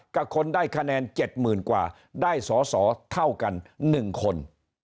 กับคนได้คะแนนเจ็ดหมื่นกว่าได้สอสอเท่ากันหนึ่งคน